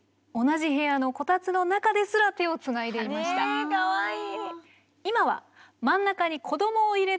えかわいい。